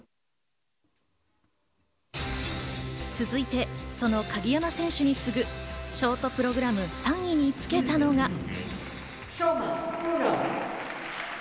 続いてその鍵山選手に次ぐ、ショートプログラム３位につけたのが。